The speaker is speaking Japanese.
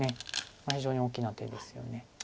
非常に大きな手ですよね。。